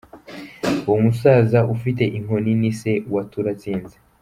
Uwo musaza ufite inkoni ni se wa Turatsinze